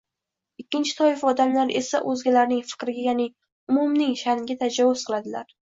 Ikkinchi toifa odamlar esa o‘zgalarning fikriga, ya’ni umumning sha’niga tajovuz qiladilar.